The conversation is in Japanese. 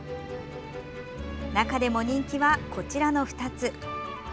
中でも人気は、こちらの２つ。